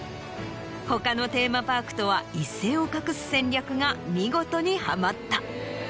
他のテーマパークとは一線を画す戦略が見事にはまった。